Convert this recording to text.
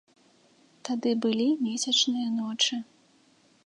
Тады былі месячныя ночы.